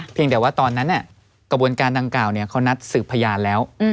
เพียงแต่ว่าตอนนั้นเนี่ยกระบวนการดังกล่าวเนี่ยเขานัดสืบพยานแล้ว